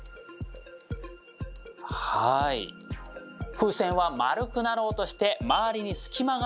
風船は丸くなろうとして周りに隙間が出来ました。